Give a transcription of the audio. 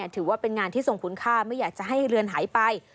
ถือว่าเป็นงานที่ส่งคุณค่าไม่อยากจะให้เรือนหายไป